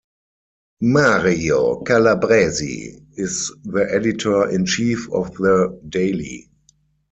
Mario Calabresi is the editor-in-chief of the daily.